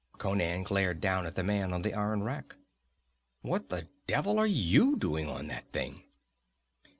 Conan glared down at the man on the iron rack. "What the devil are you doing on that thing?"